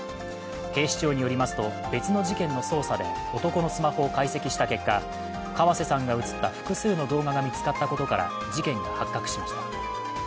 警視庁によりますと別の事件の捜査で男のスマホを解析した結果河瀬さんが映った複数の動画が見つかったことから事件が発覚しました。